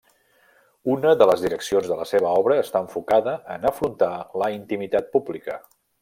Una de les direccions de la seva obra està enfocada en afrontar la intimitat pública.